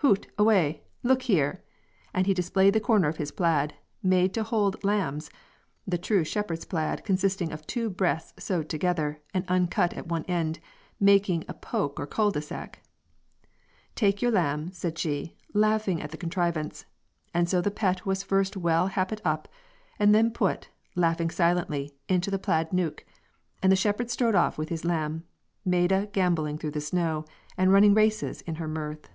Hoot, awa'! look here," and he displayed the corner of his plaid, made to hold lambs [the true shepherd's plaid, consisting of two breadths sewed together, and uncut at one end, making a poke or cul de sac]. "Tak' your lamb," said she, laughing at the contrivance, and so the Pet was first well happit up, and then put, laughing silently, into the plaid neuk, and the shepherd strode off with his lamb, Maida gamboling through the snow, and running races in her mirth.